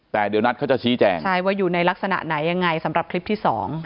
แต่เดี๋ยวคร่างอื่นเขาจะสนับข่าวอยู่ในลักษณะไหนยังไงสำหรับคริปที่๒